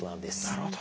なるほど。